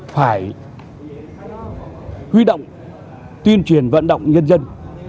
phải huy động tuyên truyền vận động nhân dân